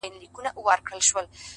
مثبت فکر د لارې خنډونه کمزوري کوي!